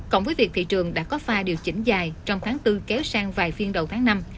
cộng với việc thị trường đã có pha điều chỉnh dài trong tháng bốn kéo sang vài phiên đầu tháng năm